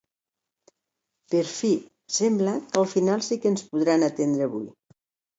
Per fi, sembla que al final sí que ens podran atendre avui.